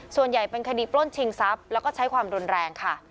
ส่วนใหญ่เป็นคดีปล้นชิงทรัพย์แล้วก็ใช้ความรุนแรงค่ะ